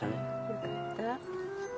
よかった。